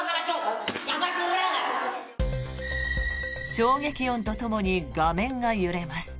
衝撃音とともに画面が揺れます。